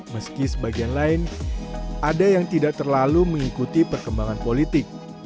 meski sebagian lain ada yang tidak terlalu mengikuti perkembangan politik